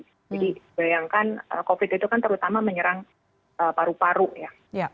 jadi bayangkan covid sembilan belas itu kan terutama menyerang paru paru ya